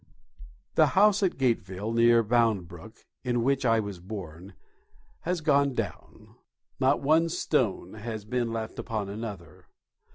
The house at Gateville, near Bound Brook, in which I was born, has gone down. Not one stone has been left upon another.